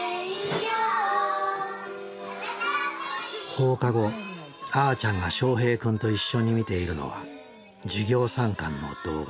放課後あーちゃんがしょうへい君と一緒に見ているのは授業参観の動画。